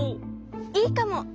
いいかも！